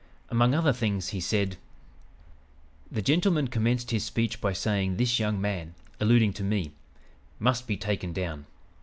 Among other things he said: "The gentleman commenced his speech by saying 'this young man,' alluding to me, 'must be taken down.'